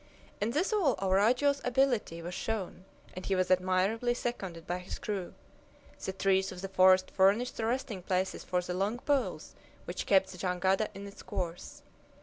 In this all Araujo's ability was shown, and he was admirably seconded by his crew. The trees of the forest furnished the resting places for the long poles which kept the jangada in its course.